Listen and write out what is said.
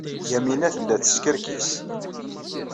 Yamina tella teskerkis.